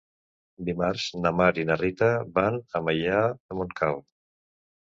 Dimarts na Mar i na Rita van a Maià de Montcal.